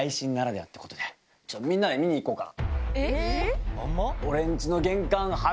みんなで見に行こうか。